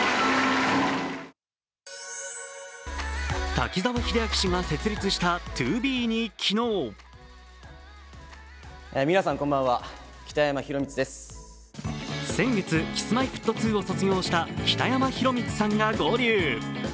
滝沢秀明氏が設立したＴＯＢＥに昨日先月、Ｋｉｓ−Ｍｙ−Ｆｔ２を卒業した北山宏光さんが合流。